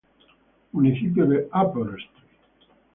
Municipio de Upper St.